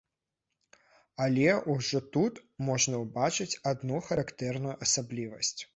Але ўжо тут можна ўбачыць адну характэрную асаблівасць.